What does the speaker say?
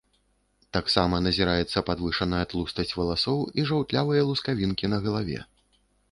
Таксама назіраецца падвышаная тлустасць валасоў і жаўтлявыя лускавінкі на галаве.